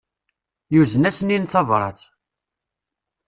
Yuzen-asen-in tabrat.